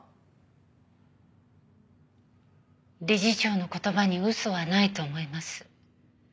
理事長の言葉に嘘はないと思います。